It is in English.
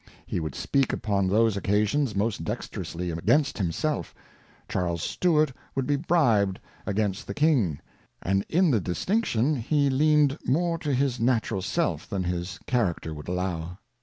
He would speak upon those Occasions most dex terously against himself; Charles Stuart would be bribed against the King ; and in the Distinction, he leaned more to his natural Self, than his Character would allow.